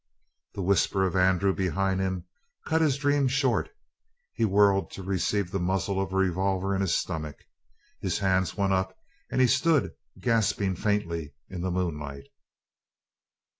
The whisper of Andrew behind him cut his dream short. He whirled to receive the muzzle of a revolver in his stomach. His hands went up, and he stood gasping faintly in the moonlight.